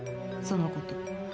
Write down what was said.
その子と。